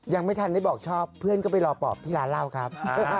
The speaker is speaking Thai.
ยังไม่ทันได้บอกชอบเพื่อนก็ไปรอปอบที่ร้านเหล้าครับ